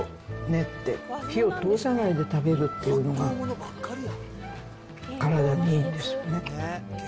練って、火を通さないで食べるっていうのが、体にいいんですよね。